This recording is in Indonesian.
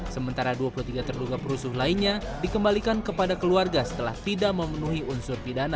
sementara dua puluh tiga terduga perusuh lainnya dikembalikan kepada keluarga setelah tidak memenuhi unsur pidana